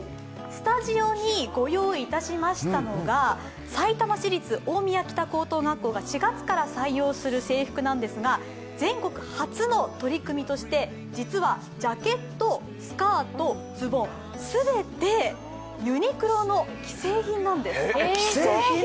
スタジオにご用意いたしましたのがさいたま市立大宮北高等学校が４月から採用する制服なんですが、全国初の取り組みとして実は、ジャケット、スカート、ズボン、全てユニクロの既製品なんです。